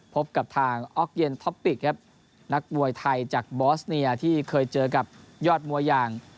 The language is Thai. พบกับทางออกเย็นท็อปปิกครับนักมวยไทยจากบอสเนียที่เคยเจอกับยอดมวยอย่าง